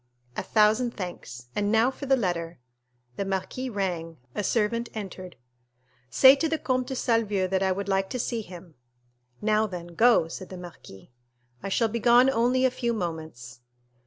"A thousand thanks—and now for the letter." The marquis rang, a servant entered. "Say to the Comte de Salvieux that I would like to see him." "Now, then, go," said the marquis. "I shall be gone only a few moments."